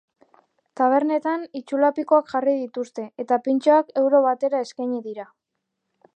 Tabernetan, itsulapikoak jarri dituzte, eta pintxoak euro batera eskaini dira.